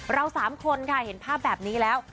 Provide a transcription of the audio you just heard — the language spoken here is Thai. เรา๓คนค่ะเห็นภาพแบบนี้แล้ว